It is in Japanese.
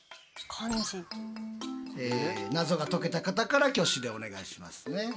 謎が解けた方から挙手でお願いしますね。